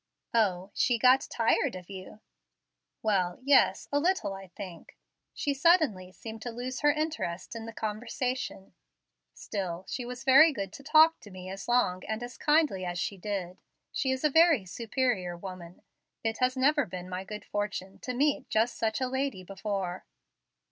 "O, she got tired of you." "Well, yes; a little, I think. She suddenly seemed to lose her interest in the conversation. Still she was very good to talk to me as long and as kindly as she did. She is a very superior woman. It has never been my good fortune to meet just such a lady before."